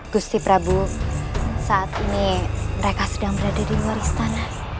gusti prabu saat ini mereka sedang berada di waristan